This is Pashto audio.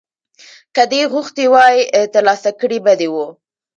که دې غوښتي وای ترلاسه کړي به دې وو.